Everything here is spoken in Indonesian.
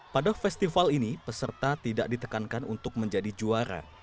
pada festival ini peserta tidak ditekankan untuk menjadi juara